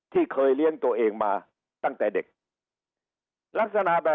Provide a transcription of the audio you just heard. ที่เคยเลี้ยงตัวเองมาตั้งแต่เด็ก